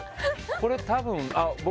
これ多分僕